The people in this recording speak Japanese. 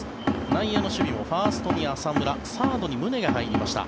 内野の守備もファーストに浅村サードに宗が入りました。